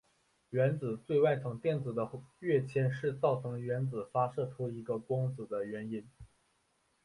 原子最外层电子的跃迁是造成原子发射出一个光子的原因。